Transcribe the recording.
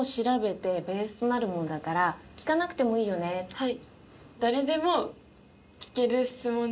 はい。